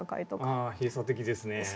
ああ閉鎖的ですね。